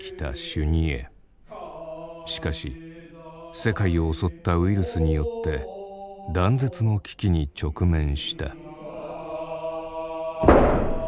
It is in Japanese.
しかし世界を襲ったウイルスによって断絶の危機に直面した。